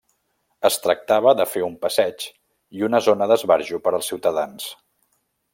Es tractava de fer un passeig i una zona d'esbarjo per als ciutadans.